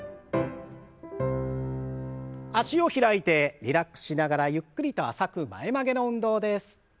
脚を開いてリラックスしながらゆっくりと浅く前曲げの運動です。